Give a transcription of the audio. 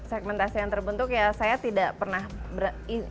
segmentasi yang terbentuk ya saya tidak pernah